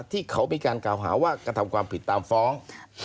ที่เขามีการกล่าวหาว่ากระทำความผิดตามฟ้อง